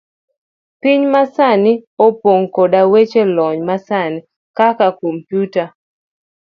Piny masani opong' koda weche lony masani, kaka komputa.